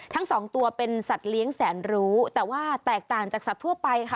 ทั้งสองตัวเป็นสัตว์เลี้ยงแสนรู้แต่ว่าแตกต่างจากสัตว์ทั่วไปค่ะ